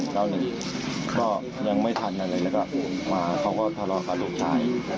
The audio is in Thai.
เราเลยก็ยังไม่ทันอะไรแล้วก็มาเขาก็ทะเลาะกับลูกชาย